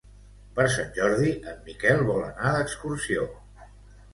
Per Sant Jordi en Miquel vol anar d'excursió.